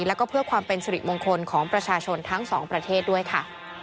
แล้วก็เพื่อความเป็นสิริมงคลของประชาชนทั้งสองประเทศด้วยค่ะ